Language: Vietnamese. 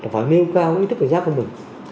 phải nêu cao ý thức cảnh giác của mình